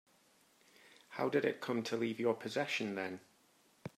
How did it come to leave your possession then?